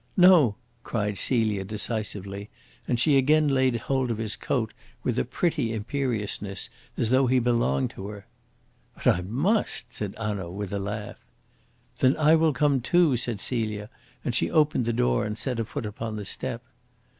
"No!" cried Celia decisively, and she again laid hold of his coat, with a pretty imperiousness, as though he belonged to her. "But I must," said Hanaud with a laugh. "Then I will come too," said Celia, and she opened the door and set a foot upon the step.